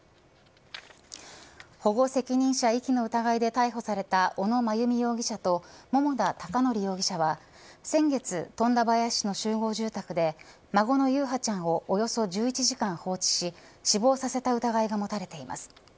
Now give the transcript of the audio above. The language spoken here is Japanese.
保護責任者遺棄の疑いで逮捕された小野真由美容疑者と桃田貴徳容疑者は先月、富田林市の集合住宅で孫の優陽ちゃんをおよそ１１時間放置し死亡させた疑いが持たれています。